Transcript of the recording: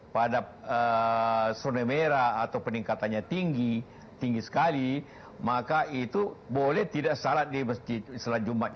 pada zona merah atau peningkatannya tinggi tinggi sekali maka itu boleh tidak salat di masjid sholat jumat